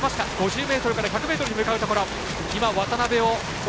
５０ｍから１００ｍへ向かうところ。